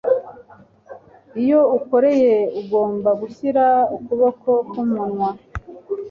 iyo ukoroye ugomba gushyira ukuboko kumunwa